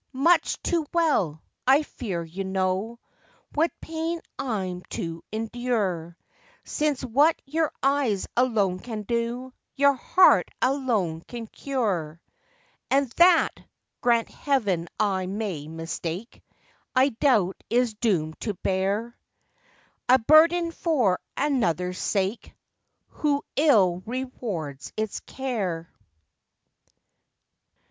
much too well, I fear, you know What pain I'm to endure, Since what your eyes alone can do Your heart alone can cure. And that (grant Heaven, I may mistake!) I doubt is doom'd to bear A burden for another's sake, Who ill rewards its care.